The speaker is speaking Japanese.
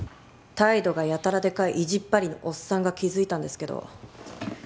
態度がやたらでかい意地っ張りのおっさんが気づいたんですけど。